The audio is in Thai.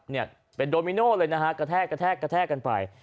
เนี่ยครับเป็นโดมิโนเลยนะฮะกระแทกกระแทกกันไป